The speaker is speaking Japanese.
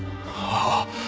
ああ。